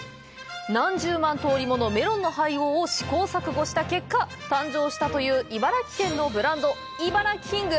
何十万通りものメロンの配合を試行錯誤した結果誕生したという茨城県のブランド、イバラキング。